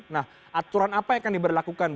nah aturan apa yang akan diberlakukan